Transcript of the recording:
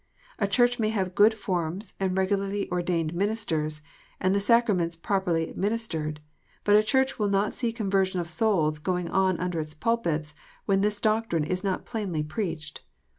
A Church may have good forms and regularly ordained ministers, and the sacraments properly administered, but a Church will not see conversion of souls going on under its pulpits, when this doctrine is not plainly preached.